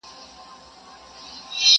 همدا ښارونه، دا کیسې او دا نیکونه به وي؛